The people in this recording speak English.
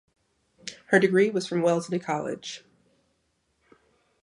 Her degree was from Wellesley College.